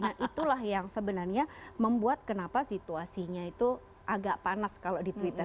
nah itulah yang sebenarnya membuat kenapa situasinya itu agak panas kalau di twitter